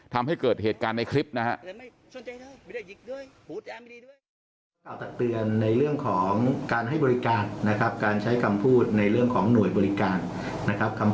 ทำให้เกิดเหตุการณ์ในคลิปนะครับ